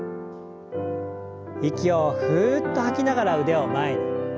息をふっと吐きながら腕を前に。